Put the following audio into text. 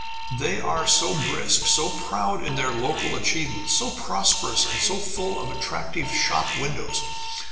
They are so brisk, so proud in their local achievements, so prosperous and so full of attractive shop windows.